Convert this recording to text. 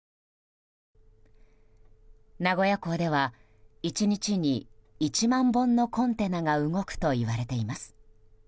名古屋港では１日に１万本のコンテナが動くといわれています。